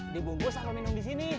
dibungkus apa minum disini